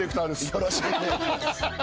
よろしくお願いします。